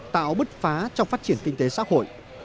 tạo bứt phá trong phát triển kinh tế xã hội